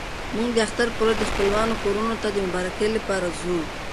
موږ د اختر په ورځ د خپلوانو کورونو ته د مبارکۍ لپاره ځو.